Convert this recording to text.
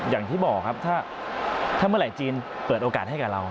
อย่างที่บอกครับถ้าเมื่อไหร่จีนเปิดโอกาสให้กับเรา